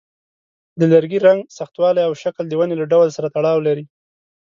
د لرګي رنګ، سختوالی، او شکل د ونې له ډول سره تړاو لري.